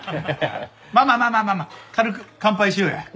まあまあまあまあ軽く乾杯しようや。